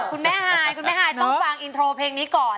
คุณแม่ฮายคุณแม่ฮายต้องฟังอินโทรเพลงนี้ก่อน